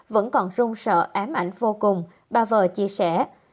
vẫn còn rung sợ ám ảnh vô cùng bà vợ chia sẻ